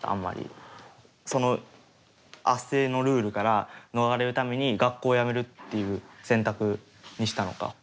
その圧制のルールから逃れるために学校をやめるっていう選択にしたのか。